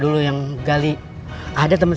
langsung aja tadi pak